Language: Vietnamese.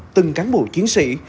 từng cán bộ chiến sĩ